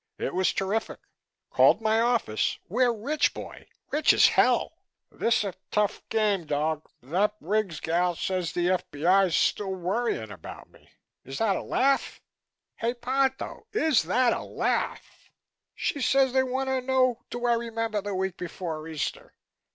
It was terrific. Called my office. We're rich, boy, rich as hell." "Thissa tough game, dog. That Briggs gal says the F.B.I.'s still worrying about me. Is that a laugh, hey, Ponto? Is that a laugh! She says they wanna know do I remember the week before Easter.